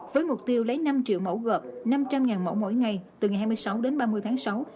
với mục tiêu lấy năm triệu mẫu gợp năm trăm linh mẫu mỗi ngày từ ngày hai mươi sáu đến ba mươi tháng sáu